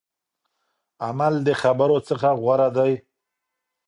عمل د خبرو څخه غوره دی.